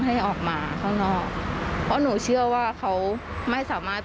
ความโหโชคดีมากที่วันนั้นไม่ถูกในไอซ์แล้วเธอเคยสัมผัสมาแล้วว่าค